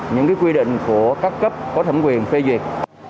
những quy định của các cấp có thẩm quyền phê duyệt